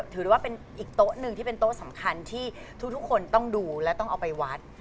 ถือว่าเป็นอีกโต๊ะหนึ่งที่เป็นโต๊ะสำคัญที่ทุกคนต้องดูและต้องเอาไปวัด